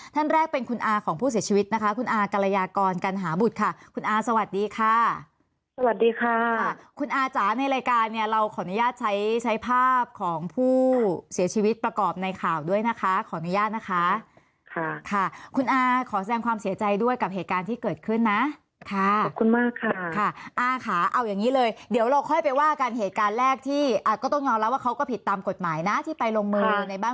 ท่านแรกเป็นคุณอาของผู้เสียชีวิตนะคะคุณอากรยากรกันหาบุตรค่ะคุณอาสวัสดีค่ะสวัสดีค่ะคุณอาจารย์ในรายการเนี่ยเราขออนุญาตใช้ภาพของผู้เสียชีวิตประกอบในข่าวด้วยนะคะขออนุญาตนะคะค่ะคุณอาขอแสดงความเสียใจด้วยกับเหตุการณ์ที่เกิดขึ้นนะค่ะขอบคุณมากค่ะเอาอย่างนี้เลยเดี๋ยวเราค่อยไปว่าก